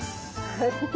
はい。